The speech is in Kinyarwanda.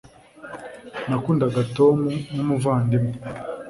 nakundaga tom nkumuvandimwe